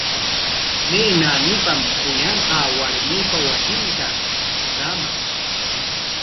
¿May naanipam kuyanqaa warmipa wasinman traaman?